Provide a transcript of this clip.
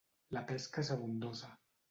La pesca és abundosa.